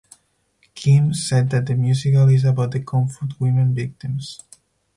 Kim said that the musical is about the comfort women victims.